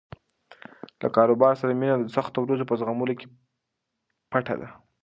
له کاروبار سره مینه د سختو ورځو په زغملو کې پټه ده.